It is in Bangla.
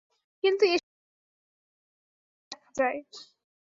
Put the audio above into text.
কিন্তু এ সকল পার্থক্য জাহাজে অল্প দেখা যায়।